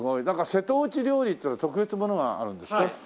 なんか瀬戸内料理っていうのは特別なものがあるんですか？